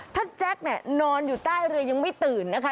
ถ้าแจ็คเนี่ยนอนอยู่ใต้เรือยังไม่ตื่นนะคะ